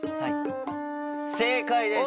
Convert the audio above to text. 正解です。